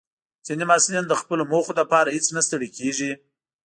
ځینې محصلین د خپلو موخو لپاره هیڅ نه ستړي کېږي.